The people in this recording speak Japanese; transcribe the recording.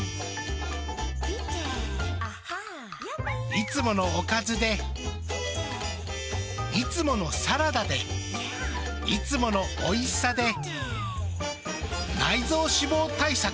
いつものおかずでいつものサラダでいつものおいしさで内臓脂肪対策。